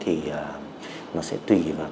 thì nó sẽ tùy vào